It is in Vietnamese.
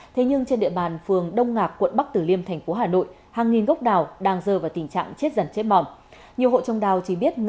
thế nhưng trên địa bàn phường đông ngạc quận bắc tử liêm thành phố hà nội